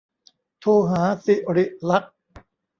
โทรหาศิริลักษณ์